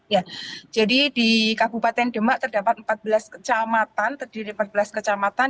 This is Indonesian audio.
ya jadi di kabupaten demak terdapat empat belas kecamatan terdiri empat belas kecamatan